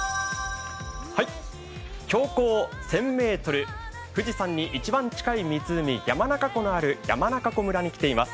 標高１０００ｍ、富士山に一番近い湖、山中湖のある山中湖村に来ています。